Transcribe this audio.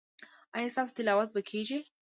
ایا ستاسو تلاوت به کیږي؟